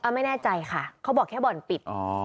ไม่แน่ใจค่ะเขาบอกแค่บ่อนปิด